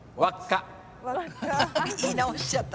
言い直しちゃった。